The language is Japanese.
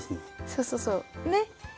そうそうそう。ね。